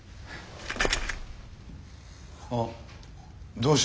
あどうした？